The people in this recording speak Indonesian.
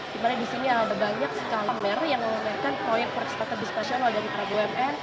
di mana di sini ada banyak sekali pemer yang mengumumkan proyek per stata bispesial dari arab umn